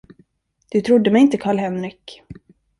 Du trodde mig inte, Karl Henrik.